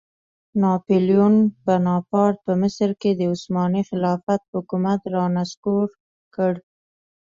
ناپیلیون بناپارټ په مصر کې د عثماني خلافت حکومت رانسکور کړ.